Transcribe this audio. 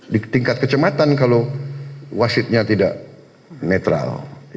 di tingkat kecematan kalau wasitnya tidak netral